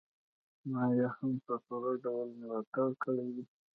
ما يې هم په پوره ډول ملاتړ کړی دی.